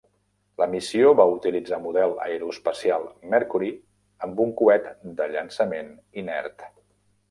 La missió va utilitzar model aeroespacial Mercury amb un coet de llançament inert.